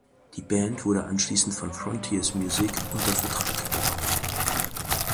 Die Band wurde anschliessend von Frontiers Music unter Vertrag genommen.